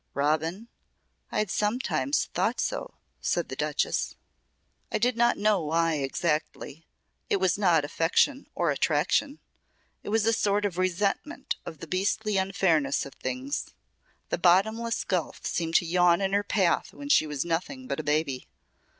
"Robin? I had sometimes thought so," said the Duchess. "I did not know why exactly. It was not affection or attraction. It was a sort of resentment of the beastly unfairness of things. The bottomless gulf seemed to yawn in her path when she was nothing but a baby.